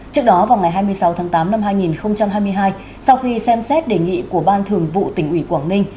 trước đó vào ngày hai mươi sáu tháng tám năm hai nghìn hai mươi hai sau khi xem xét đề nghị của ban thường vụ tỉnh ủy quảng ninh